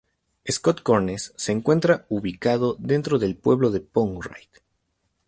Scotts Corners se encuentra ubicado dentro del pueblo de Pound Ridge.